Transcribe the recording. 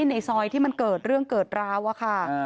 ในซอยที่มันเกิดเรื่องเกิดราวอะค่ะ